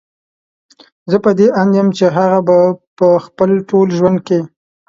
زه په دې اند يم چې هغه به په خپل ټول ژوند کې